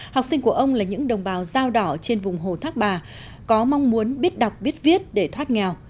học sinh của ông là những đồng bào dao đỏ trên vùng hồ thác bà có mong muốn biết đọc biết viết để thoát nghèo